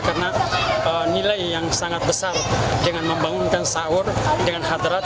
karena nilai yang sangat besar dengan membangunkan sahur dengan hadrat